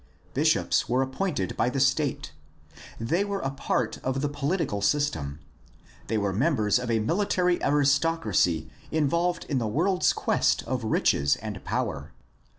Bishops were appointed by the state. They were a part of the political system. They were members of a military aristocracy involved in the world's quest of riches and power.